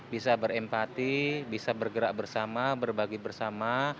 bisa berempati bisa bergerak bersama berbagi bersama